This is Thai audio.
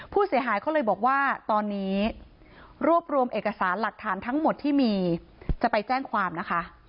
ผู้เสียหายเขาเลยบอกว่าตอนนี้รวบรวมเอกสารหลักฐานทั้งหมดที่มีจะไปแจ้งความนะคะ